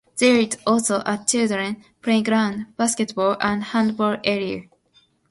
There is also a children playground, basketball and handball area.